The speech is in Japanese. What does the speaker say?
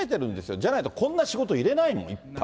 じゃないと、こんな仕事入れないもん、いっぱい。